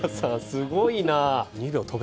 すごいな。